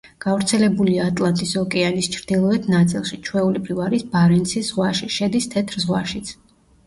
გავრცელებულია ატლანტის ოკეანის ჩრდილოეთ ნაწილში, ჩვეულებრივ არის ბარენცის ზღვაში, შედის თეთრ ზღვაშიც.